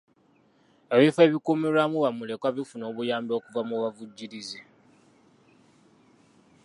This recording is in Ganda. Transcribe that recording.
Ebifo ebikuumirwamu bamulekwa bifuna obuyambi okuva mu bavujjirizi.